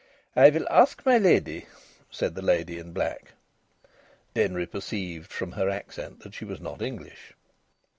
"I will ask my lady," said the lady in black. Denry perceived from her accent that she was not English.